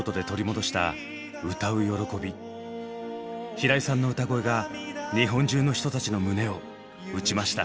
平井さんの歌声が日本中の人たちの胸を打ちました。